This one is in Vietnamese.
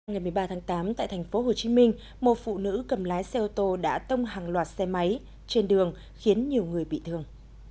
ngày một mươi ba tháng tám tại thành phố hồ chí minh một phụ nữ cầm lái xe ô tô đã tông hàng loạt xe máy trên đường khiến nhiều người bị thương